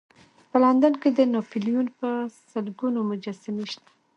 په لندن کې د ناپلیون په سلګونو مجسمې شته.